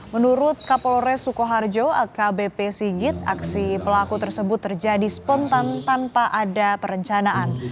menurut kapolres sukoharjo akbp sigit aksi pelaku tersebut terjadi spontan tanpa ada perencanaan